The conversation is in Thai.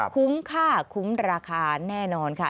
คุ้มค่าคุ้มราคาแน่นอนค่ะ